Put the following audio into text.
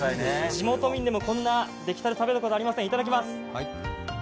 地元民でもこんなできたて食べることありません。